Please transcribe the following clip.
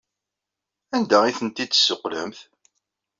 Anda ay tent-id-tessuqqlemt?